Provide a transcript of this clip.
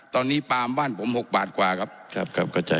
ตอนนี้ปลามบ้านผมหกบาทกว่าครับครับครับก็ใช่ครับ